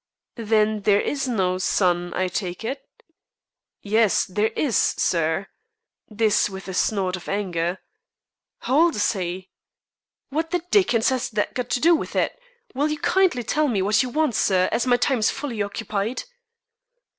"Then there is no 'son,' I take it." "Yes, there is, sir," this with a snort of anger. "How old is he?" "What the Dickens has that got to do with it? Will you kindly tell me what you want, sir, as my time is fully occupied?"